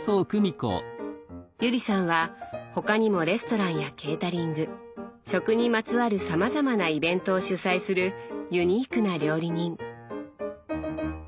友里さんは他にもレストランやケータリング「食」にまつわるさまざまなイベントを主催するユニークな料理人。